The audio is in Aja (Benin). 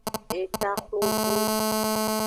Eta xlogbu.